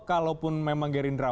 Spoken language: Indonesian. kalau pun memang gerindra